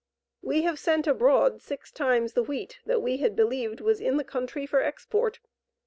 We have sent abroad six times the wheat that we had believed was in the country for export.